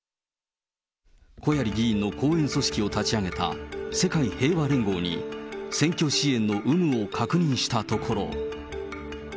小鑓議員の後援組織を立ち上げた世界平和連合に、選挙支援の有無を確認したところ。